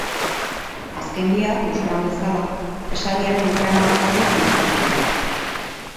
Azken biak, euskaran bezala, esaldiaren bukaeran bakarrik idazten dira.